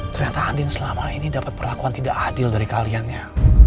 ternyata andin selama ini dapat perlakuan tidak adil dari kaliannya